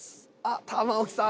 玉置さん